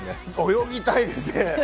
泳ぎたいです。